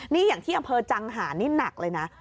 นี่อย่างที่อำเภอจังหานี่หนักเลยนะ